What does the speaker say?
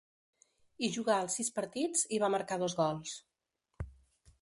Hi jugà els sis partits, i va marcar dos gols.